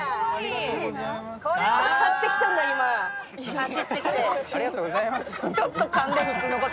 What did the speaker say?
走ってきて。